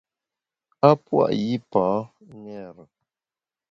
A pua’ yipa ṅêre.